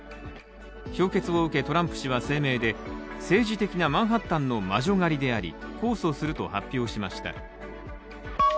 評決を受け、トランプ氏は声明で政治的なマンハッタンの魔女狩りであり控訴すると発表しました。